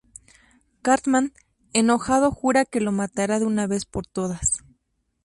Cartman enojado jura que lo matará de una vez por todas.